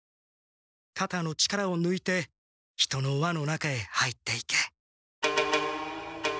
かたの力をぬいて人の輪の中へ入っていけ。